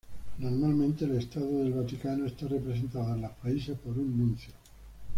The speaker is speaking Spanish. Normalmente, la Santa Sede está representada en los países por un Nuncio.